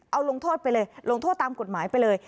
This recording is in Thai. เอาลงโทษไปเลยลงโทษตามกฎหมายไปเลย